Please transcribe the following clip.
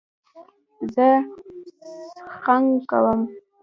زه څخنک کوم.